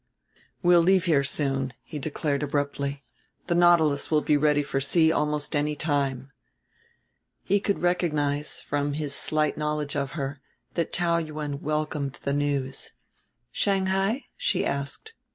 "We'll leave here soon," he declared abruptly; "the Nautilus will be ready for sea almost any time." He could recognize, from his slight knowledge of her, that Taou Yuen welcomed the news. "Shanghai?" she asked.